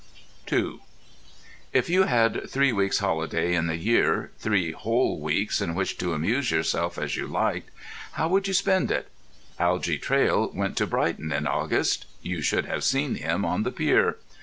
II If you had three weeks' holiday in the year, three whole weeks in which to amuse yourself as you liked, how would you spend it? Algy Traill went to Brighton in August; you should have seen him on the pier.